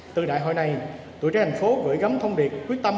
từ đại hội này tổ chức thành phố gửi gắm thông điệp quyết tâm